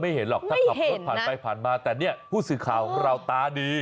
เห็นหรอกถ้าขับรถผ่านไปผ่านมาแต่เนี่ยผู้สื่อข่าวของเราตาดี